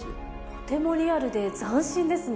とてもリアルで斬新ですね。